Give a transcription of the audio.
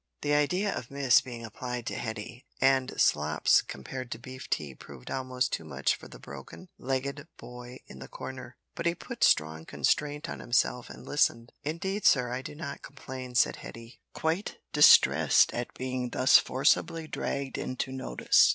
The idea of "Miss" being applied to Hetty, and slops compared to beef tea proved almost too much for the broken legged boy in the corner, but he put strong constraint on himself and listened. "Indeed, sir, I do not complain," said Hetty, quite distressed at being thus forcibly dragged into notice.